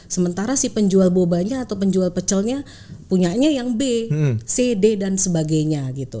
sementara si penjual bobanya atau penjual pecelnya punyanya yang b c d dan sebagainya gitu